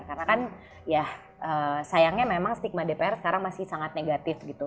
karena kan sayangnya memang stigma dpr sekarang masih sangat negatif gitu